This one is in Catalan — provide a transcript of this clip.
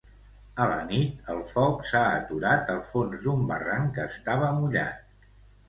A la nit el foc s'ha aturat al fons d'un barranc que estava mullat.